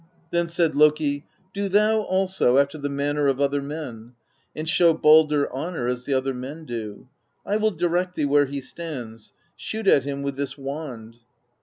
Then said Loki: 'Do thou also after the manner of other men, and show Baldr honor as the other men do. I will direct thee where he stands; shoot at him with this wand.'